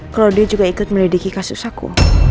kalau dia juga ikut melediki kasus aku